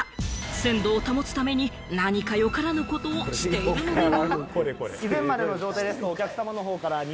鮮度を保つために何かよからぬことをしているのでは？